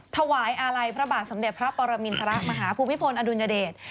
ถวายอาลัยพระบาทสมเด็จพระปรมินทรมาฮภูมิพลอดุลยเดช